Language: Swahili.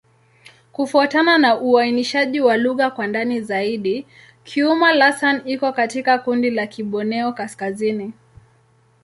Kufuatana na uainishaji wa lugha kwa ndani zaidi, Kiuma'-Lasan iko katika kundi la Kiborneo-Kaskazini.